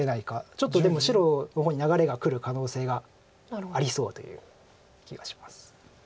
ちょっとでも白の方に流れがくる可能性がありそうという気がします。